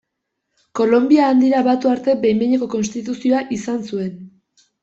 Kolonbia Handira batu arte behin-behineko konstituzioa izan zuen.